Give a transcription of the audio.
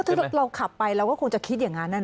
ถ้าเราขับไปเราก็คงจะคิดอย่างนั้น